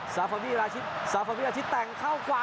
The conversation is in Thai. ซาฟาวีราชิตซาฟาวีราชิตแต่งเข้าขวา